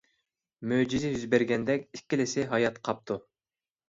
مۆجىزە يۈز بەرگەندەك ئىككىلىسى ھايات قاپتۇ.